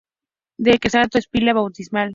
Del Quattrocento es la pila bautismal.